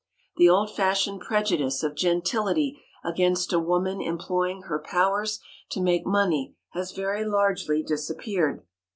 The old fashioned prejudice of gentility against a woman employing her powers to make money has very largely disappeared.